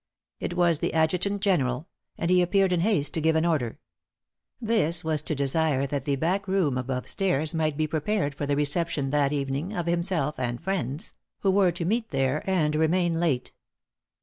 It was the adjutant general; and he appeared in haste to give an order. This was to desire that the backroom above stairs might be prepared for the reception that evening of himself and his friends, who were to meet there and remain late.